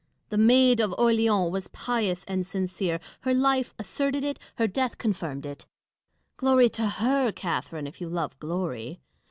The Maid of Orleans was pious and sincere : her life asserted it ; her death confirmed it. Glory to her, Catharine, if you love glory.